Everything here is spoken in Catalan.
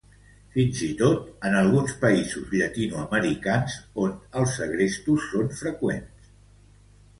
Fins i tot en alguns països llatinoamericans on els segrestos són freqüents.